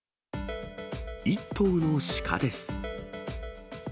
１頭のシカです。